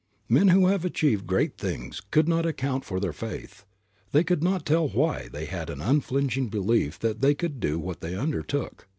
Men who have achieved great things could not account for their faith; they could not tell why they had an unflinching belief that they could do what they undertook.